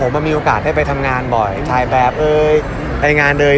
มามีโอกาสให้ไปทำงานบ่อยถ่ายแบบเราไปงานเลย